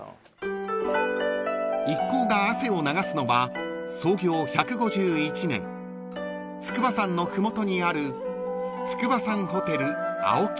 ［一行が汗を流すのは創業１５１年筑波山の麓にある］